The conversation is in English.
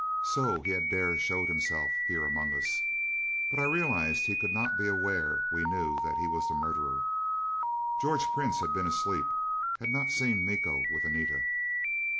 So he had dared show himself here among us! But I realized he could not be aware we knew he was the murderer. George Prince had been asleep, had not seen Miko with Anita.